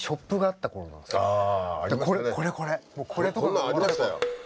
こんなんありましたよ。